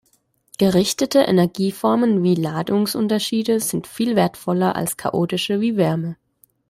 Gerichtete Energieformen wie Ladungsunterschiede sind viel wertvoller als chaotische wie Wärme.